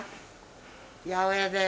八百屋です。